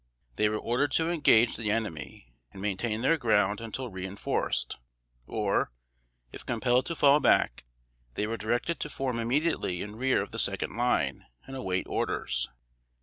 They were ordered to engage the enemy, and maintain their ground until reinforced; or, if compelled to fall back, they were directed to form immediately in rear of the second line, and await orders.